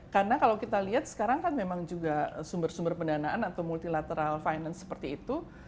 karena kalau kita lihat sekarang kan memang juga sumber sumber pendanaan atau multilateral finance seperti ini